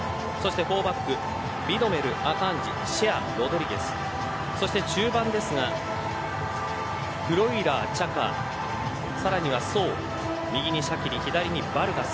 ４バック、ミラベル、アカンジシェア、ロドリゲスそして中盤ですがフロイラー、チャカさらにはソウ右にシャキリ左にヴァルガス